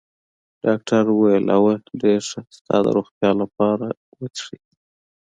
ډاکټر وویل: اوه، ډېر ښه، ستا د روغتیا لپاره، و څښئ.